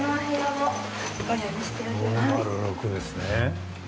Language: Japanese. ５０６ですね。